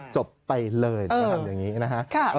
จบไปเลยเธอทำอย่างนี้นะฮะ